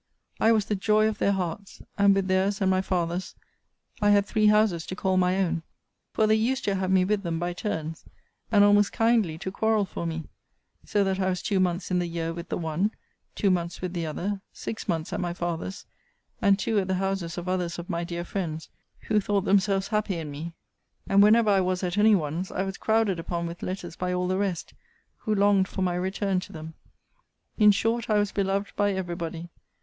'I was the joy of their hearts; and, with theirs and my father's, I had three houses to call my own; for they used to have me with them by turns, and almost kindly to quarrel for me; so that I was two months in the year with the one; two months with the other; six months at my father's; and two at the houses of others of my dear friends, who thought themselves happy in me: and whenever I was at any one's, I was crowded upon with letters by all the rest, who longed for my return to them. 'In short, I was beloved by every body.